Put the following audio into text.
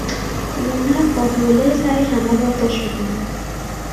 زینب با حوله سر کمال را خشک میکند